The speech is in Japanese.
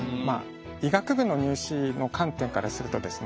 医学部の入試の観点からするとですね